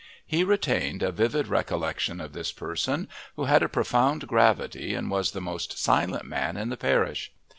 He retained a vivid recollection of this person, who had a profound gravity and was the most silent man in the parish.